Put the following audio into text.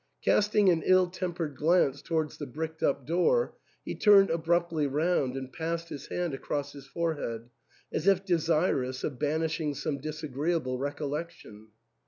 Casting an nll tempered glance towards the bricked up door, he turned abruptly round and passed his hand across his forehead, as if desirous of banishing some disagreeable recollection.